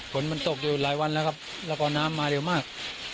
ฝนมันตกอยู่หลายวันแล้วครับแล้วก็น้ำมาเร็วมาก